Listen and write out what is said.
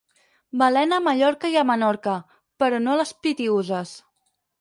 Balena a Mallorca i a Menorca, però no a les Pitiüses.